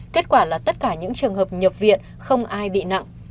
kết quả là tất cả những trường hợp nhập viện không ai bị nặng